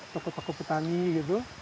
tokoh tokoh petani gitu